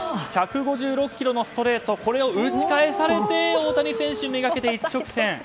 １５６キロのストレートを打ち返されて大谷選手めがけて一直線。